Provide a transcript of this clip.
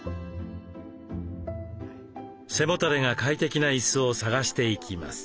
背もたれが快適な椅子を探していきます。